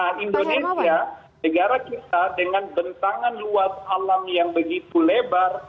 nah indonesia negara kita dengan bentangan luas alam yang begitu lebar